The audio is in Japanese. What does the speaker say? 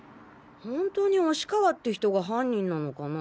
本当に押川って人が犯人なのかな？